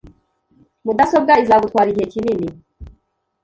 Mudasobwa izagutwara igihe kinini .